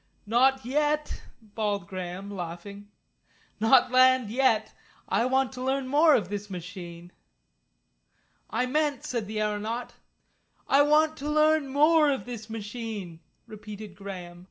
"Not yet," bawled Graham, laughing. "Not land yet. I want to learn more of this machine." "I meant " said the aeronaut. "I want to learn more of this machine," repeated Graham.